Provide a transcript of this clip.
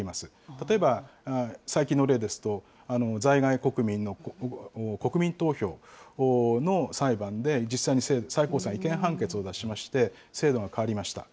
例えば最近の例ですと、在外国民の国民投票の裁判で、実際に最高裁、違憲判決を出しまして、制度が変わりました。